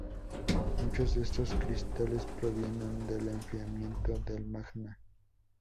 Muchos de estos cristales provienen del enfriamiento del magma.